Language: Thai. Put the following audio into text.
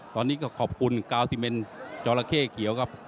ตอนนี้ก็ขอบคุณกาวซิเมนจอละเข้เขียวครับ